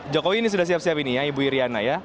jokowi ini sudah siap siap ini ya ibu iryana ya